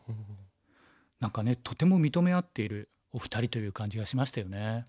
何かねとても認め合っているお二人という感じがしましたよね。